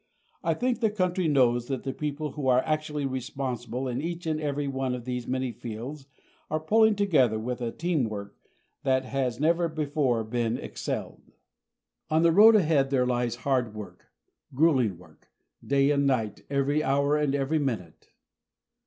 I think the country knows that the people who are actually responsible in each and every one of these many fields are pulling together with a teamwork that has never before been excelled. On the road ahead there lies hard work grueling work day and night, every hour and every minute.